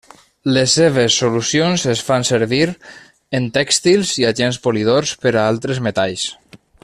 Les seves solucions es fan servir en tèxtils i agents polidors per altres metalls.